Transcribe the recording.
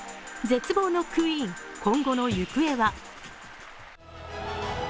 絶望のクイーン、今後の行方は。